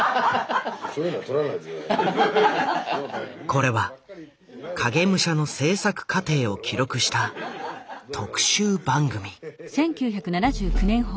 これは「影武者」の製作過程を記録した特集番組。